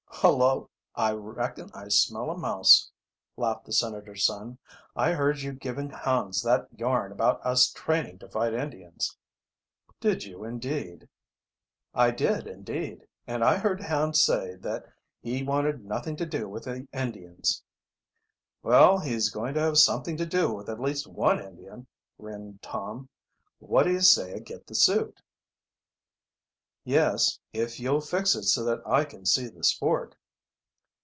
"Hullo, I reckon I smell a mouse!" laughed the senator's son. "I heard you giving Hans that yarn about us training to fight Indians."' "Did you indeed." "I did indeed; and I heard Hans say that he wanted nothing to do with the Indians." "Well, he's going to have something to do with at least one Indian," grinned Tom. "What do you say I get the suit?" "Yes; if you'll fix it so that I can see the sport."